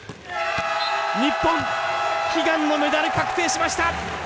日本悲願のメダル確定しました。